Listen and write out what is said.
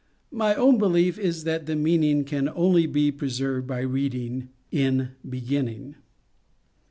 My own belief is that the meaning can only be preserved by reading " In beginning."